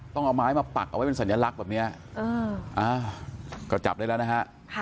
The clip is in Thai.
ต้องเอาไม้มาปักเอาไว้เป็นสัญลักษณ์แบบนี้ก็จับได้แล้วนะฮะ